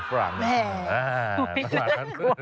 แม่น่ากลัว